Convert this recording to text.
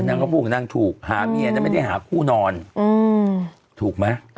นางก็พูดกับนางถูกหาเมียนะไม่ได้หาคู่นอนถูกไหม